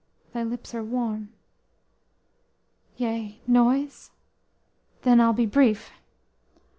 Thy lips are warm! Yea, noise? Then I'll he brief.